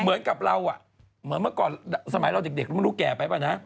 เหมือนกับเราเหมือนเมื่อก่อนสมัยเราเด็กเราไม่รู้แก่ไปป่ะนะ